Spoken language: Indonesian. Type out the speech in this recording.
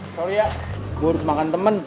sorry ya gue harus makan temen